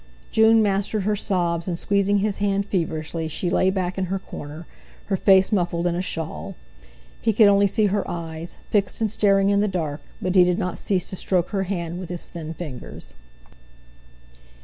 June mastered her sobs, and squeezing his hand feverishly, she lay back in her corner, her face muffled in a shawl. He could only see her eyes, fixed and staring in the dark, but he did not cease to stroke her hand with his thin fingers.